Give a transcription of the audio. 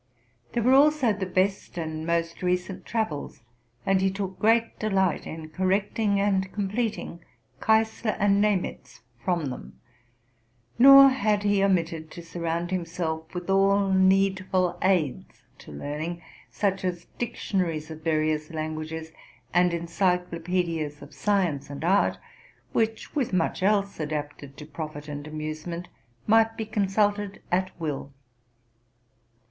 There were also the best and most recent Travels, and he took great delight in correcting and completing Keyssler and Nemeiz from them. Nor had he omitted to surround himself with all needful aids to learning, such as dictionaries of various languages, and encyclopedias of science and art, which, with much élse adapted to profit and amusement, might be con sulted at will.